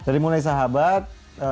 dari mulai sahabat